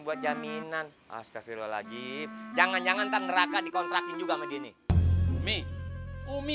buat jaminan astagfirullahaladzim jangan jangan tanah neraka dikontrakin juga madini umi umi